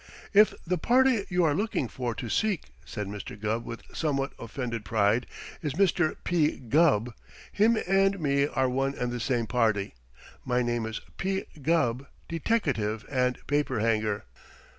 "If the party you are looking for to seek," said Mr. Gubb with somewhat offended pride, "is Mister P. Gubb, him and me are one and the same party. My name is P. Gubb, deteckative and paper hanger."